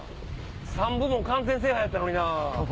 ３部門完全制覇やったのにな。